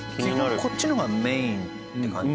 基本こっちの方がメインって感じ。